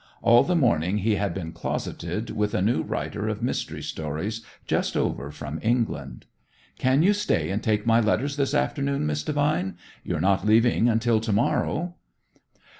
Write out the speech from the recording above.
All the morning he had been closeted with a new writer of mystery stories just over from England. "Can you stay and take my letters this afternoon, Miss Devine? You 're not leaving until to morrow."